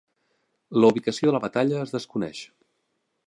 La ubicació de batalla es desconeix.